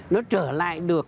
nó trở lại được